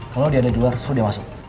kalau dia ada di luar suruh dia masuk